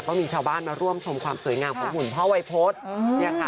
ก็มีชาวบ้านมาร่วมชมความสวยงามของหุ่นพ่อวัยพฤษ